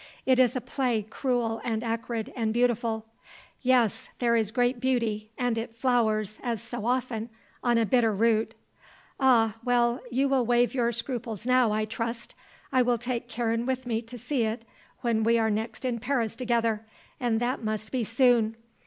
It is a play cruel and acrid and beautiful. Yes; there is great beauty, and it flowers, as so often, on a bitter root. Ah, well, you will waive your scruples now, I trust. I will take Karen with me to see it when we are next in Paris together, and that must be soon.